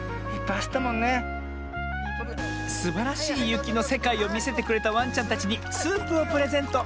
すばらしいゆきのせかいをみせてくれたワンちゃんたちにスープをプレゼント！